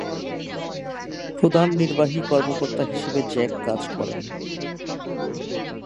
প্রথম নির্বাহী কর্মকর্তা হিসেবে জ্যাক কাজ করেন।